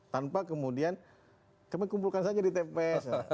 tanpa kemudian kami kumpulkan saja di tps